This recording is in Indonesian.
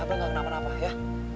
abah gak kenapa kenapa ya